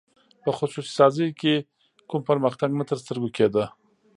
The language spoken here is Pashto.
په خصوصي سازۍ کې کوم پرمختګ نه تر سترګو کېده.